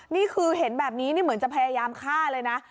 นี่คือเห็นแบบนี้นี่เหมือนจะพยายามฆ่าเลยนะ